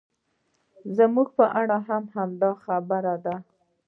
زموږ په اړه هم همدا خبره ده.